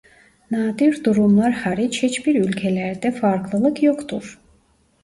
Nadir durumlar hariç hiçbir ülkelerde farklılık yoktur.